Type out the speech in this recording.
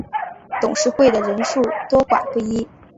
董事会的人数多寡不一。